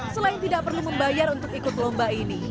selain tidak perlu membayar untuk ikut lomba ini